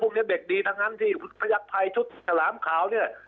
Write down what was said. นี้เด็กดีทั้งนั้นที่พยักษ์ภัยชุดฉลามขาวเนี่ย